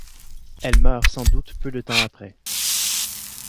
Elle meurt sans doute peu de temps après.